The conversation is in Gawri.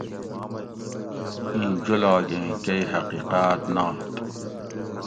ایں جولاگ ایں کئی حقیقاۤت نات